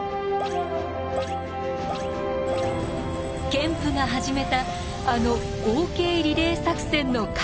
ケンプが始めたあのＯＫリレー作戦の完成。